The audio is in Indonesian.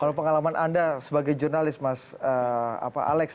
kalau pengalaman anda sebagai jurnalis mas alex